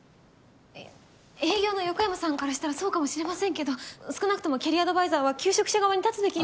いや営業の横山さんからしたらそうかもしれませんけど少なくともキャリアアドバイザーは求職者側に立つべきなんじゃ。